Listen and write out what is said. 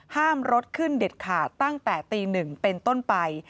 ห้ามรถขึ้นเด็ดขาดตั้งแต่ตี๑เป็นต้นไป